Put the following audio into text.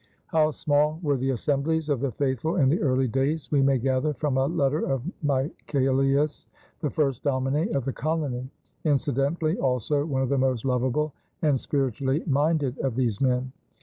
How small were the assemblies of the faithful in the early days we may gather from a letter of Michaelius, the first domine of the colony, incidentally also one of the most lovable and spiritually minded of these men.